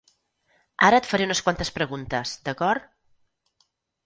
Ara et faré unes quantes preguntes, d'acord?